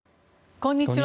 こんにちは。